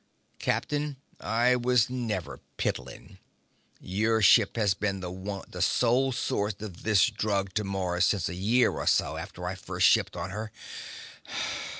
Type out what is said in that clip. Captain, I was never piddling. Your ship has been the sole source of this drug to Mars since a year or so after I first shipped on her.